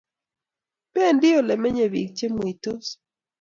Bendi Ole menyei bik chemweitos